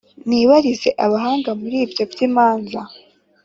Nibarize abahanga Muri ibyo by’imanza: